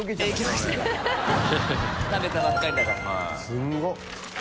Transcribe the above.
すごい。